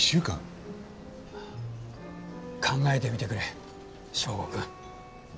考えてみてくれ祥吾くん。